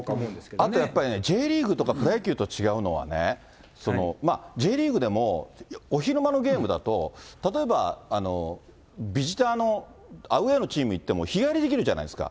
あとやっぱりね、Ｊリーグとかプロ野球と違うのはね、Ｊリーグでも、お昼間のゲームだと、例えばビジターの、アウエーのチームに行っても、日帰りできるじゃないですか。